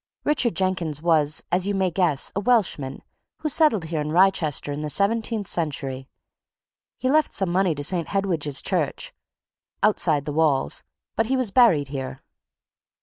Richard Jenkins was, as you may guess, a Welshman, who settled here in Wrychester in the seventeenth century: he left some money to St. Hedwige's Church, outside the walls, but he was buried here.